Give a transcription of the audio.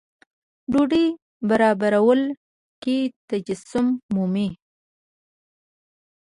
ډوډۍ برابرولو کې تجسم مومي.